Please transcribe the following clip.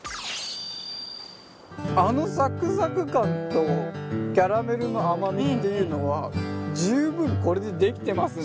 あのサクサク感とキャラメルの甘みっていうのは十分これで出来てますね。